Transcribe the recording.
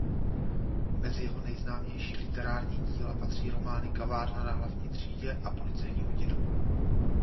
Mezi jeho nejznámější literární díla patří romány "Kavárna na hlavní třídě" a "Policejní hodina".